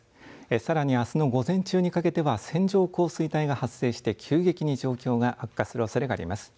さらに、あすの午前中にかけては線状降水帯が発生して急激に状況が悪化するおそれがあります。